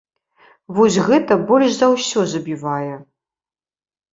Вось гэта больш за ўсё забівае.